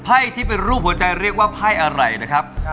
ที่เป็นรูปหัวใจเรียกว่าไพ่อะไรนะครับ